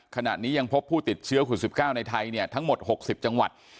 ขณะนี้ยังพบผู้ติดเชื้อขุด๑๙ในไทยทั้งหมด๖๐จังหวัด